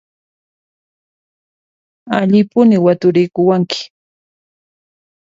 Allimpuni waturikuwanki!